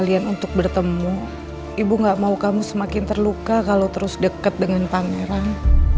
ibu gak mau kamu semakin terluka kalau terus deket dengan pangeran